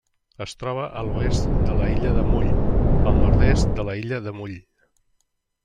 Es troba a l'oest de l'illa de Mull, al nord-est de l'illa de Mull.